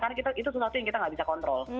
karena itu sesuatu yang kita gak bisa kontrol